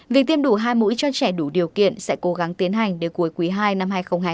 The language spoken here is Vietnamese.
việc tiêm đủ hai mũi cho trẻ đủ điều kiện sẽ cố gắng tiến hành đến cuối quý ii năm hai nghìn hai mươi hai